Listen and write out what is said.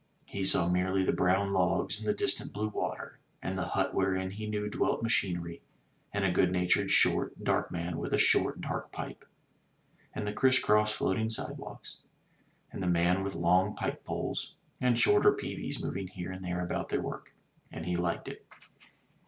He saw merely the brown logs, and the distant blue water, and the hut wherein he knew dwelt machinery and a good natured, short, dark man with a short, dark pipe, and the criss cross floating sidewalks, and the men with long pike poles and shorter peavies moving here and there about their work. And he liked it.